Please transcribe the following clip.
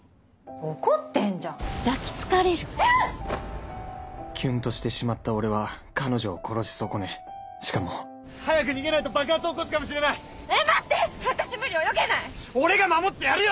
怒ってんじゃんキュンとしてしまった俺は彼女を殺し損ねしかも早く逃げないと爆発を起こすかもしれないえっ待って私無理泳げない俺が守ってやるよ！